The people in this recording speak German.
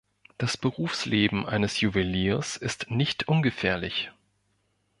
Das Berufsleben eines Juweliers ist nicht ungefährlich.